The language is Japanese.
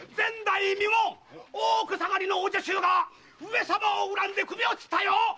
大奥下がりのお女中が上様を恨んで首をつったよ！